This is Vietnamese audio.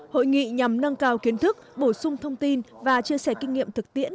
hội nghị nhằm nâng cao kiến thức bổ sung thông tin và chia sẻ kinh nghiệm thực tiễn